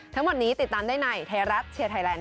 ทั้งหมดนี้ติดตามได้ในไทยรัฐเชียร์ไทยแลนด